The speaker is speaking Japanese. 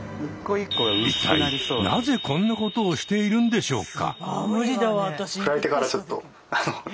一体なぜこんなことをしているんでしょうか？